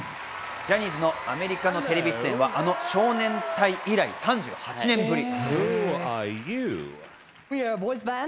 ジャニーズのアメリカのテレビ出演はあの少年隊以来、３８年ぶり。